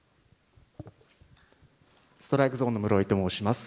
ストライクゾーンのむろいと申します。